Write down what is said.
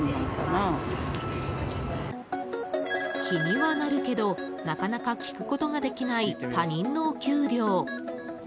気にはなるけどなかなか聞くことができない他人のお給料。